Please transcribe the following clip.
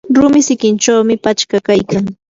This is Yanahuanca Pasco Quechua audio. rumi sikinchawmi pachka kaykan.